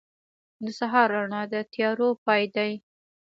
• د سهار رڼا د تیارو پای دی.